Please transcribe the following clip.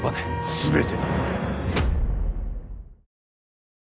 全て。